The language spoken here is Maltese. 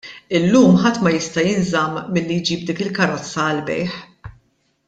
Illum ħadd ma jista' jinżamm milli jġib dik il-karozza għall-bejgħ.